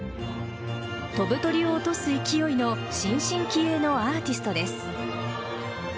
飛ぶ鳥を落とす勢いの新進気鋭のアーティストです。